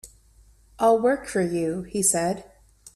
"I'll work for you," he said.